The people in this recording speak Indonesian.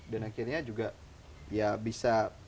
dan akhirnya juga ya bisa